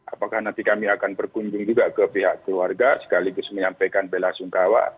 apakah nanti kami akan berkunjung juga ke pihak keluarga sekaligus menyampaikan bela sungkawa